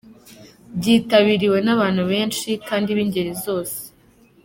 byitabiriwe n’abantu benshi kandi b’ingeri zose.